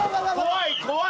怖い怖い。